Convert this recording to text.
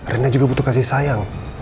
renda juga butuh kasih sayang